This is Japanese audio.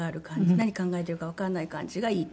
「何考えているかわからない感じがいい」と。